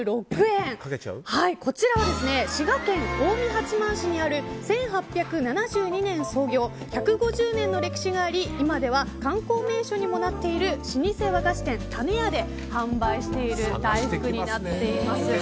こちらは滋賀県近江八幡市にある１８７２年創業１５０年の歴史があり今では観光名所にもなっている老舗和菓子店たねやで販売している大福になっています。